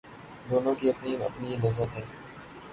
دونوں کی اپنی اپنی لذت ہے